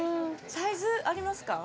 サイズありますか？